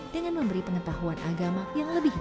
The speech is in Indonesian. dengan memberi pengetahuan agama yang lebih baik